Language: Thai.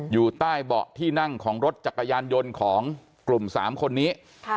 อยู่ใต้เบาะที่นั่งของรถจักรยานยนต์ของกลุ่ม๓คนนี้